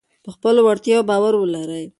په خپلو وړتیاوو باور ولرئ.